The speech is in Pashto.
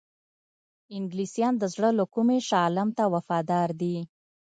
انګلیسیان د زړه له کومي شاه عالم ته وفادار دي.